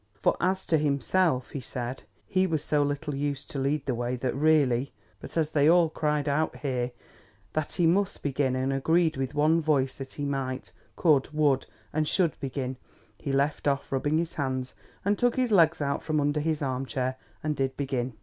For as to himself, he said, he was so little used to lead the way that really— But as they all cried out here, that he must begin, and agreed with one voice that he might, could, would, and should begin, he left off rubbing his hands, and took his legs out from under his armchair, and did begin.